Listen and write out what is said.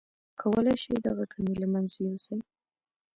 کولای شئ دغه کمی له منځه يوسئ.